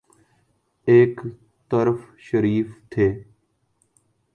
ایک طرف شریف تھے۔